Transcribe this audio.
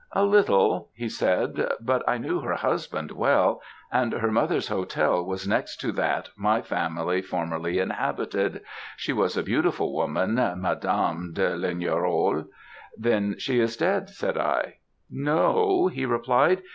"A little," he said; "but I knew her husband well; and her mother's hotel was next to that my family formerly inhabited. She was a beautiful woman, Madame de Lignerolles." "Then, she is dead?" said I. "No," he replied.